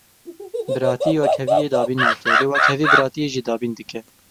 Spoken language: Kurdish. Biratî wekheviyê dabîn nake, lê wekhevî biratiyê jî dabîn dike.